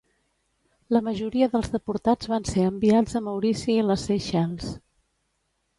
La majoria dels deportats van ser enviats a Maurici i les Seychelles.